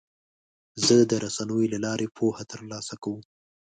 زه د رسنیو له لارې پوهه ترلاسه کوم.